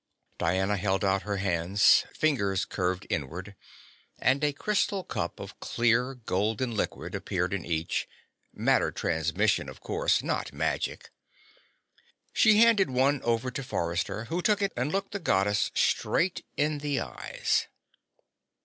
Diana held out her hands, fingers curved inward, and a crystal cup of clear, golden liquid appeared in each matter transmission, of course, not magic. She handed one over to Forrester, who took it and looked the Goddess straight in the eyes.